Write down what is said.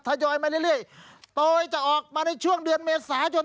ทยอยมาเรื่อยโดยจะออกมาในช่วงเดือนเมษายน